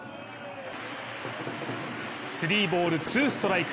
スリーボール・ツーストライク。